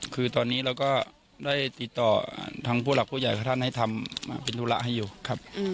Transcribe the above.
คือตอนนี้เราก็ได้ติดต่อทางผู้หลักผู้ใหญ่กับท่านให้ทำเป็นธุระให้อยู่ครับ